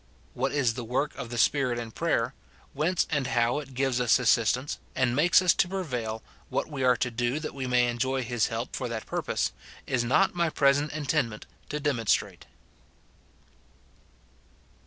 "* What is the work of the Spirit in prayer, whence and how it gives us assistance and makes us to pre vail, what we are to do that we may enjoy his help for that purpose, is not my present intendment to demon strate.